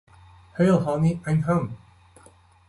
Heil Honey, I'm Home!